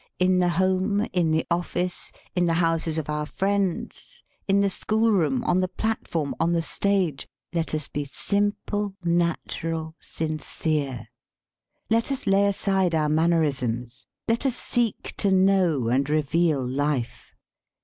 In the home, in the office, in the houses of our friends, in the school room, on 88 THE LAW OF APPROACH the platform, on the stage, let us be simple,] natural, sincere. Let us lay aside our man | nerisms. Let us seek to know and re veal j life.